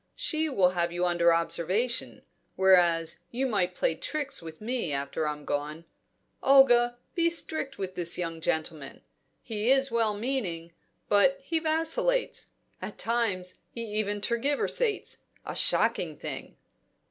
She will have you under observation; whereas you might play tricks with me after I'm gone. Olga, be strict with this young gentleman. He is well meaning, but he vacillates; at times he even tergiversates a shocking thing."